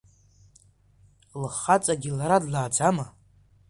Лхаҵагьы лара длааӡама?